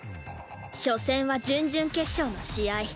所詮は準々決勝の試合。